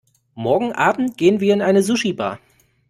Morgen Abend gehen wir in eine Sushibar.